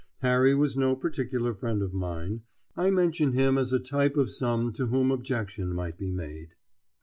Harry was no particular friend of mine; I mention him as a type of some to whom objection might be made.